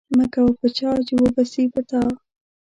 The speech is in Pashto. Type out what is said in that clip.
مه کوه په چا، چي و به سي په تا.